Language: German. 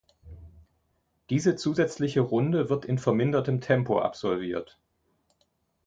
Diese zusätzliche Runde wird in vermindertem Tempo absolviert.